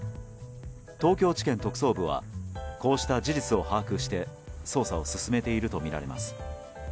東京地検特捜部はこうした事実を把握して捜査を進めているとみられます。